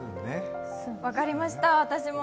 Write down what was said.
分かりました、私も。